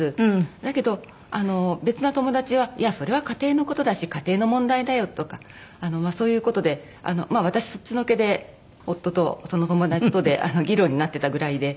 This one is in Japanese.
だけど別な友達は「いやそれは家庭の事だし家庭の問題だよ」とかまあそういう事で私そっちのけで夫とその友達とで議論になってたぐらいで。